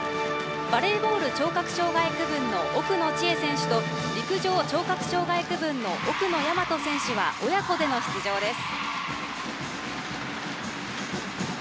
バレーボール聴覚障害区分の奥野智恵選手と陸上・聴覚障害区分の奥野大和選手は親子での出場です。